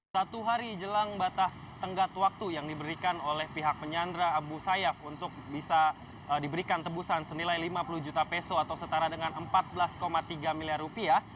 satu hari jelang batas tenggat waktu yang diberikan oleh pihak penyandra abu sayyaf untuk bisa diberikan tebusan senilai lima puluh juta peso atau setara dengan empat belas tiga miliar rupiah